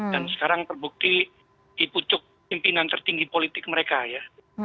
dan sekarang terbukti di pucuk pimpinan tertinggi politik mereka ya